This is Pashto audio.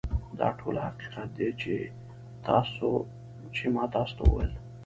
دا ټول حقیقت دی چې ما تاسو ته وویل